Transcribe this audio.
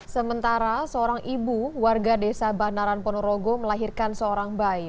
sementara seorang ibu warga desa banaran ponorogo melahirkan seorang bayi